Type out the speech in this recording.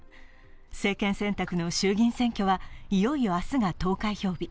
政権選択の衆議院選挙はいよいよ明日が投開票日。